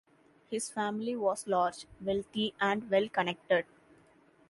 His family was large, wealthy and well-connected.